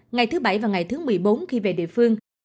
ngày thứ bảy và ngày thứ một mươi bốn khi về địa phương